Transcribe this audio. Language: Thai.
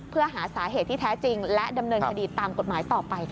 เพื่อหาสาเหตุที่แท้จริงและดำเนินคดีตามกฎหมายต่อไปค่ะ